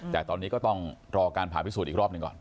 แต่ตอนนี้ก็ต้องรอการผ่าพิสูจน์อีกรอบหนึ่งก่อน